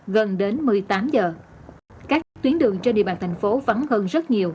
gần đến một mươi tám giờ các tuyến đường trên địa bàn thành phố vắng hơn rất nhiều